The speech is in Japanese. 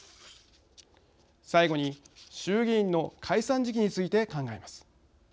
最後に衆議院の解散時期について考えます。